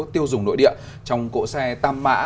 tiêu dùng nội địa trong cỗ xe tam mã